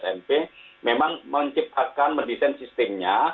dari bnp memang menciptakan mendesain sistemnya